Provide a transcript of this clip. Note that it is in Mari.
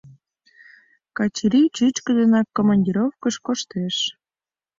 Качырий чӱчкыдынак командировкыш коштеш.